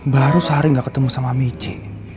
baru sehari gak ketemu sama mici